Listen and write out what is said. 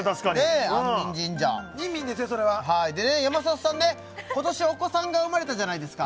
山里さん、今年はお子さんが生まれたじゃないですか。